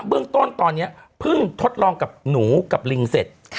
เบื้องต้นตอนนี้เพิ่งทดลองกับหนูกับลิงเสร็จ